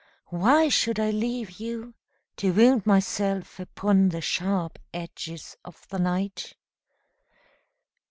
Why should I leave you, To wound myself upon the sharp edges of the night?